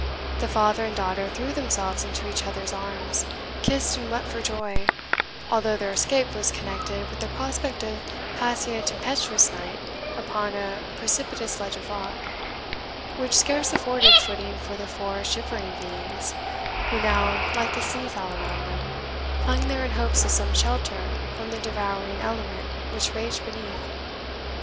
The father and daughter threw themselves into each other's arms, kissed and wept for joy, although their escape was connected with the prospect of passing a tempestuous night upon a precipitous ledge of rock, which scarce afforded footing for the four shivering beings, who now, like the sea fowl around them, clung there in hopes of some shelter from the devouring element which raged beneath.